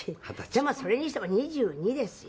でも、それにしても２２ですよ？